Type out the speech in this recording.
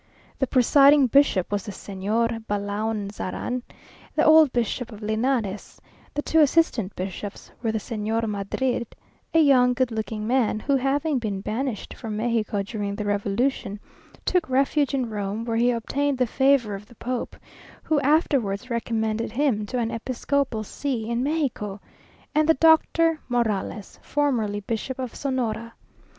The presiding bishop was the Señor Belaunzaran, the old Bishop of Linares; the two assistant bishops were the Señor Madrid, a young, good looking man, who having been banished from Mexico during the revolution, took refuge in Rome, where he obtained the favour of the Pope, who afterwards recommended him to an episcopal see in Mexico; and the Doctor Morales, formerly Bishop of Sonora.